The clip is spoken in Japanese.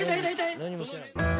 何もしてない。